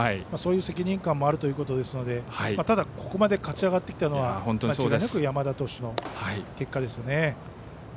そういう責任感もあるということですのでただ、ここまで勝ち上がってきたのは間違いなく山田投手の結果ですよね。